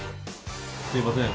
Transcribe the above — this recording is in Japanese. すいません。